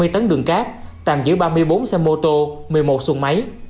hai mươi tấn đường cát tạm giữ ba mươi bốn xe mô tô một mươi một sùng máy